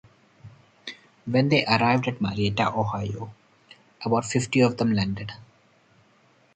When they arrived at Marietta, Ohio, about fifty of them landed.